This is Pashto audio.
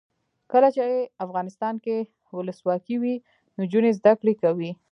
کله چې افغانستان کې ولسواکي وي نجونې زده کړې کوي.